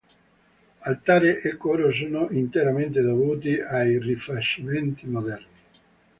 Altare e coro sono interamente dovuti ai rifacimenti moderni.